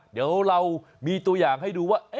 เดี๋ยวเรามีตัวอย่างให้ดูว่า